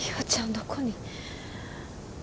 どこに？